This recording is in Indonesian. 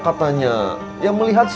katanya ya melihat si